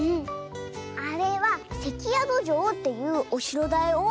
あれはせきやどじょうっていうおしろだよ。